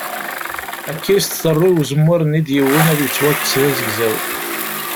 Akka i as-tḍerru i uzemmur-nni i d-yewwin ad yettwakkes d azegzaw.